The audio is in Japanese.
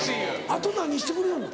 あと何してくれよんの？